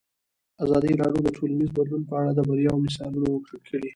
ازادي راډیو د ټولنیز بدلون په اړه د بریاوو مثالونه ورکړي.